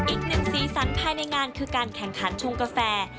อีกหนึ่งสีสันภายในงานคือการแข่งขันชงกาแฟ